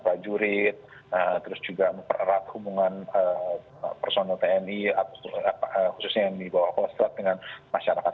prajurit terus juga mempererat hubungan personel tni khususnya yang di bawah kosa dengan masyarakat